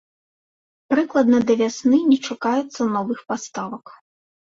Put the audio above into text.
Прыкладна да вясны не чакаецца новых паставак.